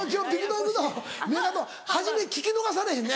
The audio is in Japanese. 初め聞き逃されへんね。